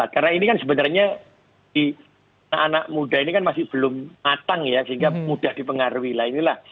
karena ini kan sebenarnya anak anak muda ini kan masih belum matang ya sehingga mudah dipengaruhilah